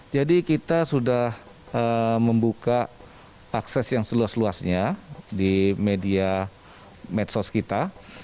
jadi kita sudah membuka akses yang seluas luasnya di media medsos kita